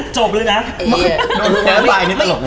จบเลยนะ